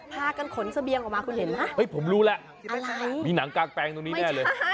พากันขนเสบียงออกมาคุณเห็นไหมผมรู้แล้วมีหนังกางแปลงตรงนี้แน่เลย